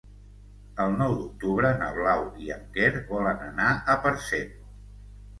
El nou d'octubre na Blau i en Quer volen anar a Parcent.